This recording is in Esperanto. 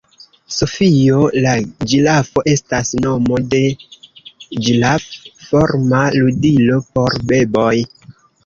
Sofio la ĝirafo estas nomo de ĝiraf-forma ludilo por beboj.